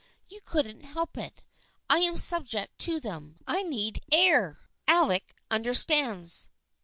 You couldn't help it. I am subject to them. I need air. Alec understands."